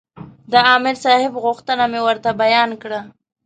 د عامر صاحب غوښتنه مې ورته بیان کړه.